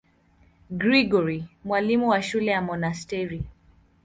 Gregori, mwalimu wa shule ya monasteri.